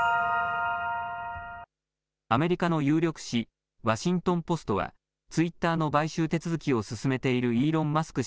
アメリカの有力紙、ワシントン・ポストは、ツイッターの買収手続きを進めているイーロン・マスク